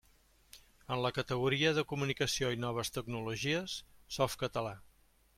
En la categoria de comunicació i noves tecnologies, Softcatalà.